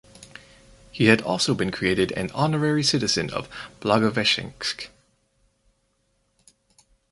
He had also been created an honorary citizen of Blagoveshchensk.